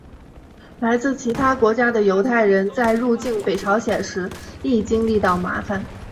来自其他国家的犹太人在入境北朝鲜时亦经历到麻烦。